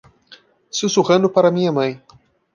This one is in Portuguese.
Sussurrando para minha mãe